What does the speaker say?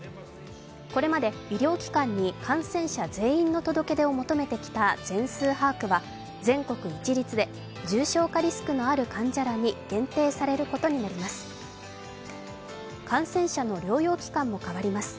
これまで医療機関に感染者全員の届け出を求めてきた全数把握は全国一律で重症化リスクのある患者らに限定されることになります。